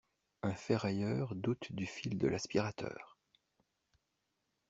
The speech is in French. Un ferrailleur doute du fil de l'aspirateur!